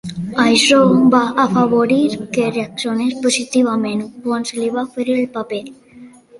Això va afavorir que reaccionés positivament quan se li va oferir el paper.